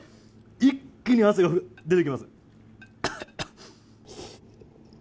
一気に汗が出てきます。